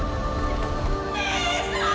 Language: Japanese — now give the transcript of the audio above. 姉さーん！！